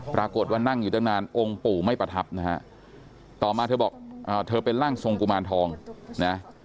ปรากฏว่านั่งอยู่ตั้งนานองค์ปู่ไม่ประทับนะฮะต่อมาเธอบอกเธอเป็นร่างทรงกุมารทองนะ